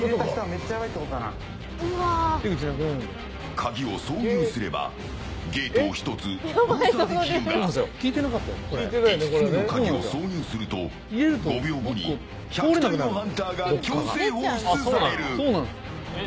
カギを挿入すればゲートを１つ封鎖できるが５つ目のカギを挿入すると５秒後に１００体のハンターが強制放出される。